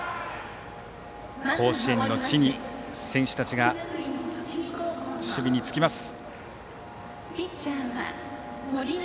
甲子園の地に選手たちが守備につきます。